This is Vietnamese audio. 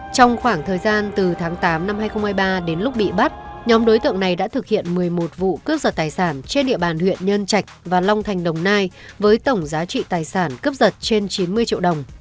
trong khoảng thời gian từ tháng tám năm hai nghìn hai mươi ba đến lúc bị bắt nhóm đối tượng này đã thực hiện một mươi một vụ cướp giật tài sản trên địa bàn huyện nhân trạch và long thành đồng nai với tổng giá trị tài sản cướp giật trên chín mươi triệu đồng